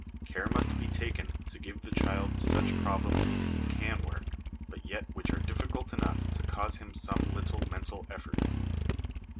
Care must be taken to give the child such problems as he can work, but yet which are difficult enough to cause him some little mental effort.